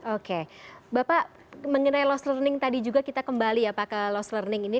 oke bapak mengenai lost learning tadi juga kita kembali ya pak ke lost learning ini